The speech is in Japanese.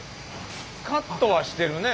カットはしてるね。